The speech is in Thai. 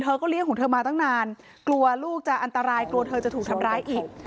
เลี้ยงของเธอมาตั้งนานกลัวลูกจะอันตรายกลัวเธอจะถูกทำร้ายอีก